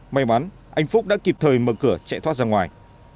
may mắn anh phúc đã kịp thời mở cửa chạy thoát ra ngoài